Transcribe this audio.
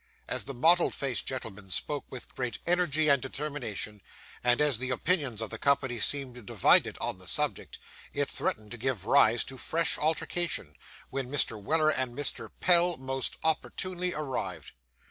As the mottled faced gentleman spoke with great energy and determination, and as the opinions of the company seemed divided on the subject, it threatened to give rise to fresh altercation, when Mr. Weller and Mr. Pell most opportunely arrived.